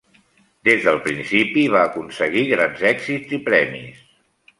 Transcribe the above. Des del principi va aconseguir grans èxits i premis.